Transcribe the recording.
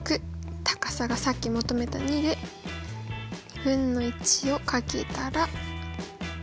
高さがさっき求めた２で２分の１を掛けたら６。